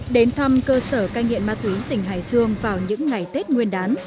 đến thăm cơ sở cai nghiện ma túy tỉnh hải dương vào những ngày tết nguyên đán